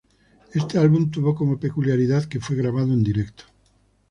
Este álbum tuvo como peculiaridad que fue grabado en directo.